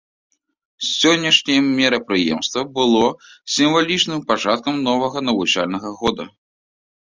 Сённяшняе мерапрыемства было сімвалічным пачаткам новага навучальнага года.